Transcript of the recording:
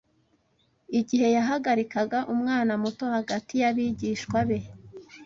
igihe yahagarikaga umwana muto hagati y’abigishwa be